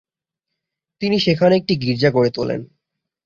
তিনি সেখানে একটি গির্জা গড়ে তোলেন।